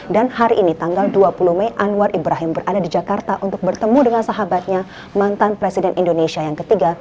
dan hari ini tanggal dua puluh mei anwar ibrahim berada di jakarta untuk bertemu dengan sahabatnya mantan presiden indonesia yang ketiga